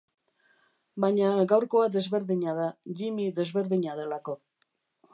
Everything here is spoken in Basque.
Baina gaurkoa desberdina da, Jimmy desberdina delako.